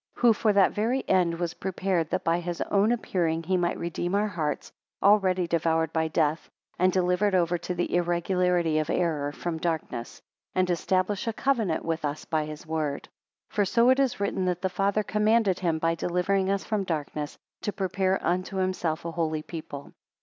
19 Who for that very end was prepared, that by his own appearing he might redeem our hearts, already devoured by death, and delivered over to the irregularity of error, from darkness; and establish a covenant with us by his word. 20 For so it is written that the father commanded him by delivering us from darkness, to prepare unto himself a holy people.